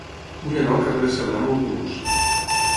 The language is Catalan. Vull anar al carrer de Cerdà amb autobús.